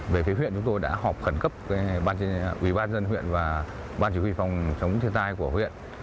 về phía huyện chúng tôi đã họp khẩn cấp với ủy ban dân huyện và ban chỉ huy phòng sống thiệt tài của huyện